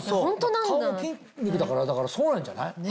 顔も筋肉だからそうなんじゃない？